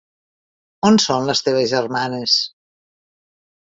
On són les teves germanes?